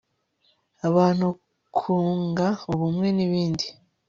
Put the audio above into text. abantu kunga ubumwe nibindi